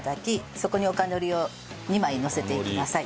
そこにおかのりを２枚のせてください。